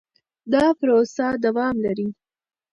دا پروسه دوام لري.